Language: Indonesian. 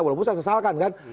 walaupun saya sesalkan kan